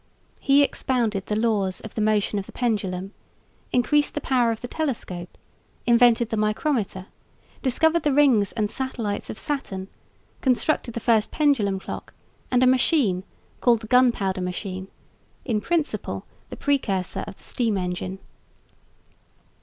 He expounded the laws of the motion of the pendulum, increased the power of the telescope, invented the micrometer, discovered the rings and satellites of Saturn, constructed the first pendulum clock, and a machine, called the gunpowder machine, in principle the precursor of the steam engine.